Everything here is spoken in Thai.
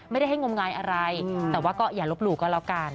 ไม่ได้ให้งมงายอะไรแต่ว่าก็อย่าลบหลู่ก็แล้วกัน